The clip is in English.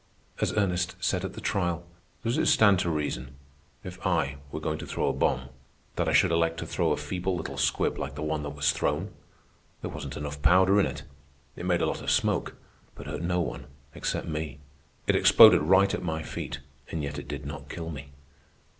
As Ernest said at the trial: "Does it stand to reason, if I were going to throw a bomb, that I should elect to throw a feeble little squib like the one that was thrown? There wasn't enough powder in it. It made a lot of smoke, but hurt no one except me. It exploded right at my feet, and yet it did not kill me.